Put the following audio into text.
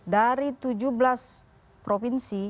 dari tujuh belas provinsi